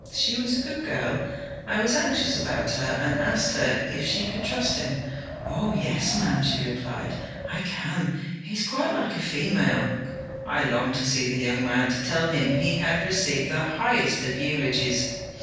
She was a good girl; I was anxious about her and asked her if she could trust him. "Oh, yes, ma'am," she replied, "I can; he's quite like a female." I longed to see the young man, to tell him he had received the highest of eulogies.'